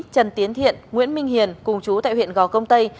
trần tiến thiện nguyễn minh hiền cùng chú tại huyện gò công tây